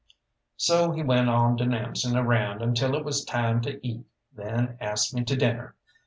So he went on denouncing around until it was time to eat, then asked me to dinner.